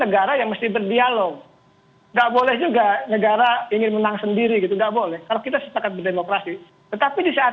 saya melihatnya ini ada bagian apa namanya masyarakat